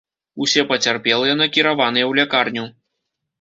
Усе пацярпелыя накіраваныя ў лякарню.